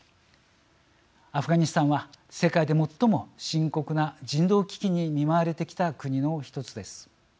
アフガニスタンは世界で最も深刻な人道危機に見舞われてきた国の１つです。